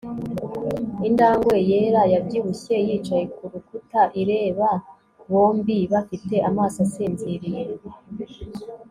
injangwe yera yabyibushye yicaye kurukuta ireba bombi bafite amaso asinziriye